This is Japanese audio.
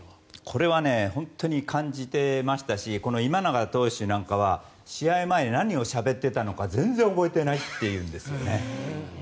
これは本当に感じてましたし今永投手なんかは試合前何をしゃべっていたのか全然覚えてないって言うんですね。